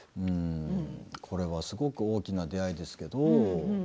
これはすごく大きな出会いですけれど。